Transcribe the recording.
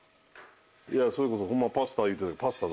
いやそれこそホンマパスタとか。